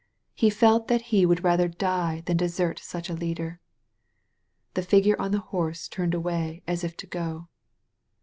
He felt that he would rather die than desert such a leader. The figure on the horse turned away as if to go.